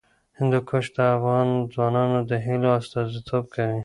هندوکش د افغان ځوانانو د هیلو استازیتوب کوي.